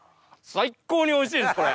最高においしいですこれ！